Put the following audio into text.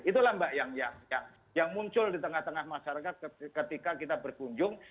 itulah mbak yang muncul di tengah tengah masyarakat ketika kita berkunjung